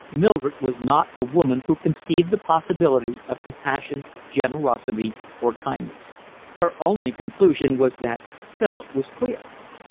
Mildred was not a woman who conceived the possibility of compassion, generosity, or kindness. Her only conclusion was that Philip was queer.